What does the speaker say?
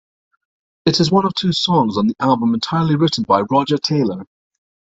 It is one of two songs on the album entirely written by Roger Taylor.